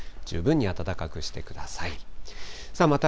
十分に暖かくしてください。